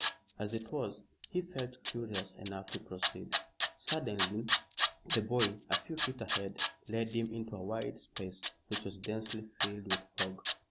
As it was, he felt curious enough to proceed. Suddenly the boy a few feet ahead led him into a wide space which was densely filled with fog.